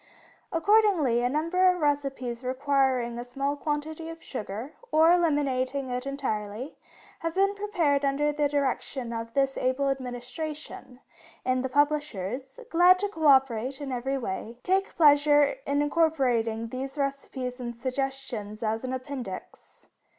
Accordingly, a number of recipes requiring a small quantity of sugar, or eliminating it entirely, have been prepared under the direction of this able Administration, and the publishers, glad to co operate in every way, take pleasure in incorporating these recipes and suggestions as an Appendix.